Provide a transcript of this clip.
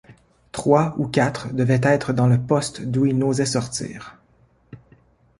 Trois ou quatre devaient être dans le poste d’où ils n’osaient sortir...